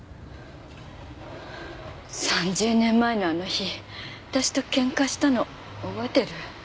３０年前のあの日私とケンカしたの覚えてる？